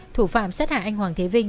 thủ phạm sát hại anh hoàng thế vinh